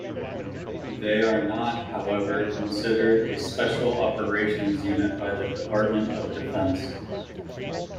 They are not, however, considered a special operations unit by the Department of Defense.